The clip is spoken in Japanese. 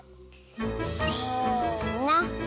せの。